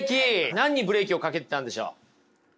何にブレーキをかけてたんでしょう？